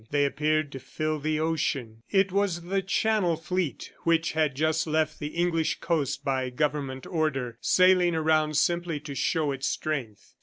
They appeared to fill the ocean. It was the Channel Fleet which had just left the English coast by Government order, sailing around simply to show its strength.